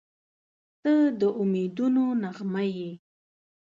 • ته د امیدونو نغمه یې.